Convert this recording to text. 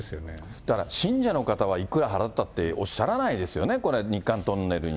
だから信者の方はいくら払ったっておっしゃらないですよね、これ、日韓トンネルに。